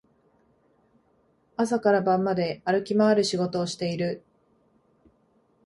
朝から晩まで歩き回る仕事をしている